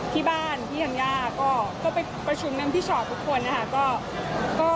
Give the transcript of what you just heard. ที่บ้านที่ทำงานก็ไปประชุมนั้นที่ชอบทุกคนค่ะ